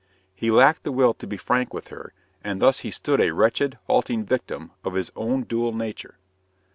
He lacked the will to be frank with her, and thus he stood a wretched, halting victim of his own dual nature.